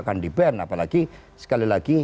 akan di ban apalagi sekali lagi